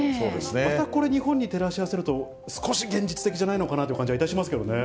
またこれ、日本に照らし合わせると、少し現実的じゃないのかなという感じがいたしますけれどもね。